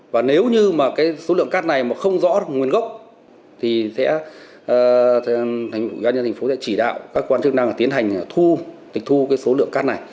và nếu như số lượng cát này không rõ nguồn gốc thì ủy ban nhân thành phố sẽ chỉ đạo các cơ quan chức năng tiến hành tịch thu số lượng cát này